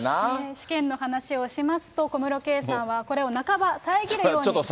試験の話をしますと、小室圭さんはこれを半ば遮るように。